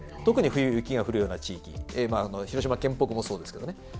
特に冬雪が降るような地域広島県北もそうですけどね。